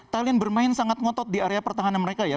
thailand bermain sangat ngotot di area pertahanan mereka ya